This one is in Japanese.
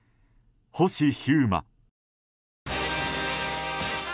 星飛雄馬。